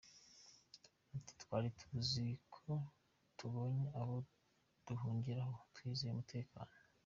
Ati “Twari tuzi ko tubonye abo duhungiraho, twizeye umutekano.